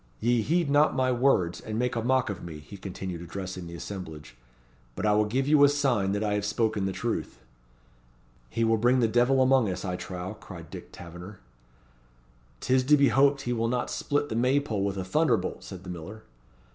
Ye heed not my words, and make a mock of me," he continued, addressing the assemblage: "but I will give you a sign that I have spoken the truth." "He will bring the devil among us, I trow," cried Dick Taverner. "'Tis to be hoped he will not split the May pole with a thunderbolt," said the miller.